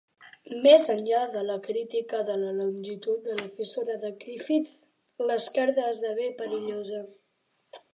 Més enllà de la crítica de la longitud de la fissura de Griffith, l'esquerda esdevé perillosa.